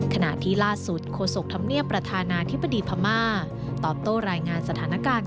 ขณะที่ล่าสุดโคศกทำเนี่ยประธานาธิปฏิภามาฆ์ตอบโตรายงานสถานการณ์